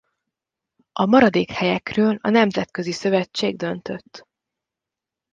A maradék helyekről a nemzetközi szövetség döntött.